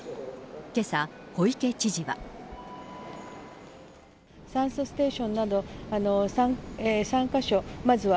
けさ、小池知事は。